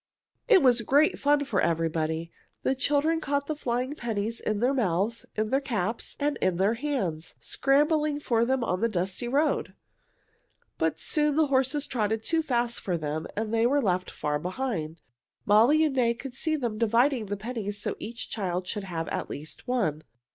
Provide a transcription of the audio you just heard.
It was great fun for everybody. The children caught the flying pennies in their mouths, in their caps, and in their hands, scrambling for them on the dusty road. But soon the horses trotted too fast for them, and they were left far behind. Molly and May could see them dividing the pennies so each child should have at least one.